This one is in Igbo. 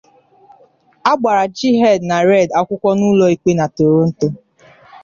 a gbara Chihed na Raed akwụkwọ n’ụlọ ikpe na Toronto